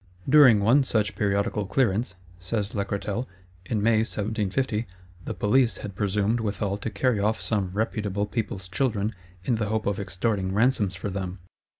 "During one such periodical clearance," says Lacretelle, "in May, 1750, the Police had presumed withal to carry off some reputable people's children, in the hope of extorting ransoms for them.